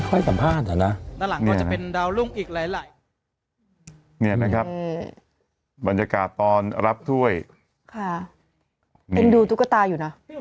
เขาบอกว่าถ้วยหนัก๒๐กิโล